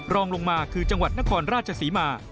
รองลงมาคือจังหวัดนครราชศรีมา